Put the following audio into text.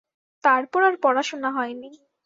তারপর আর পড়াশোনা হয় নি।